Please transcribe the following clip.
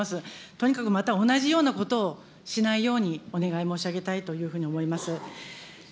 とにかくまた同じようなことをしないようにお願い申し上げたいというふうに思います。